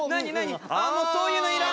ああもうそういうのいらない。